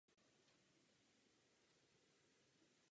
A toho se také snažím dosáhnout zde.